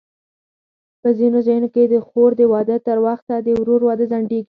په ځینو ځایونو کې د خور د واده تر وخته د ورور واده ځنډېږي.